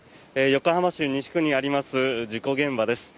横浜市西区にあります事故現場です。